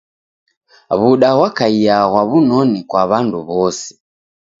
W'uda ghwakaia ghwa w'unoni kwa w'andu w'ose.